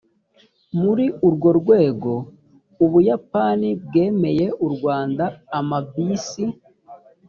muri urwo rwego u buyapani bwemeye u rwanda amabisi